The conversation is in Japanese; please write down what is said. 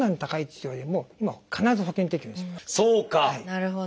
なるほど！